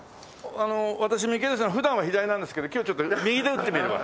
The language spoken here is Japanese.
あの私ミケルソン普段は左なんですけど今日ちょっと右で打ってみるわ。